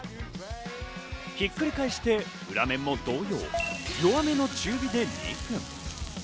ひっくり返して裏面も同様、弱めの中火で２分。